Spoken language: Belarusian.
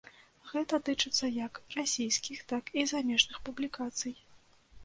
Гэта тычыцца як расійскіх, так і замежных публікацый.